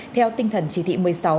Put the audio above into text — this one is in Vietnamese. theo tinh thần chỉ thị một mươi sáu